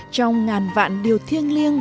trong ngàn vạn điều thiêng liêng